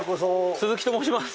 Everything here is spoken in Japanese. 鈴木と申します。